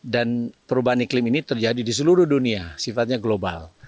dan perubahan iklim ini terjadi di seluruh dunia sifatnya global